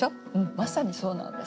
まさにそうなんです。